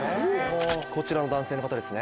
こちらの男性の方ですね。